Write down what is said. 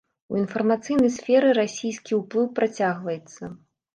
У інфармацыйнай сферы расійскі ўплыў працягваецца.